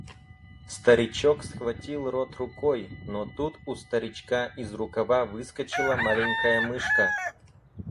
Старичок схватил рот рукой, но тут у старичка из рукава выскочила маленькая мышка.